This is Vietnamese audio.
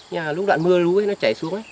nhưng mà lúc đoạn mưa lú nó chảy xuống